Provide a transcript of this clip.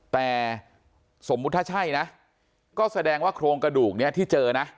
แต่สมมุติถ้าใช่นะก็แสดงว่าโครงกระดูกนี้ที่เจอนะ